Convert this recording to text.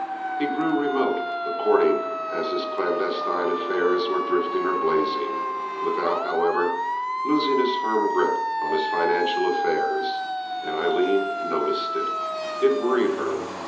He grew remote according as his clandestine affairs were drifting or blazing, without, however, losing his firm grip on his financial affairs, and Aileen noticed it. It worried her.